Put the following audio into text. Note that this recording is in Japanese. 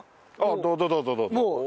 どうぞどうぞどうぞ。